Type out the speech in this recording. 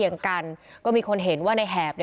ทีมข่าวเราก็พยายามสอบปากคำในแหบนะครับ